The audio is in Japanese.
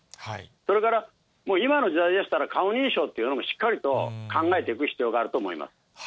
それから今の時代でしたら、顔認証っていうのも、しっかりと考えていく必要があると思います。